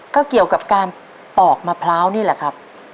ก็เกี่ยวกับการปอกมะพร้าวนี่แหละครับ